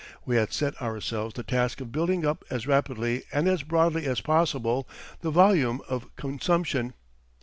We had set ourselves the task of building up as rapidly and as broadly as possible the volume of consumption.